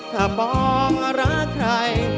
ถ้ามองรักใคร